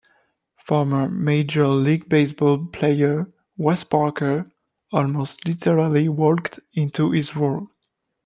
Former Major League Baseball player Wes Parker almost literally walked into his role.